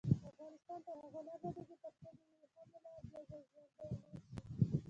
افغانستان تر هغو نه ابادیږي، ترڅو د وریښمو لار بیا ژوندۍ نشي.